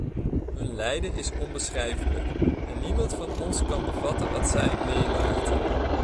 Hun lijden is onbeschrijfelijk en niemand van ons kan bevatten wat zij meemaakten.